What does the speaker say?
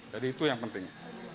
jadi itu yang penting